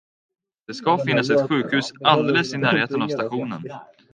Det ska finnas ett sjukhus alldeles i närheten av stationen.